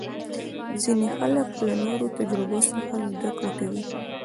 ځینې خلک له نورو تجربو څخه زده کړه کوي.